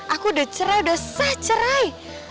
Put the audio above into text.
aku udah cerai udah sah cerai